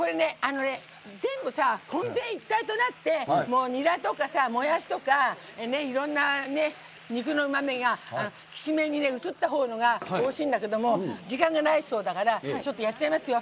全部さ、渾然一体となってもやしとかいろんな肉のうまみがきしめんに移った方がおいしいんだけど時間がないそうだからやっちゃいますよ。